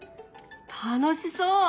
楽しそう！